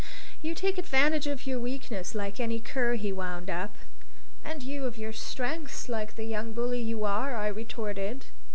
"You take advantage of your weakness, like any cur," he wound up. "And you of your strength like the young bully you are!" I retorted.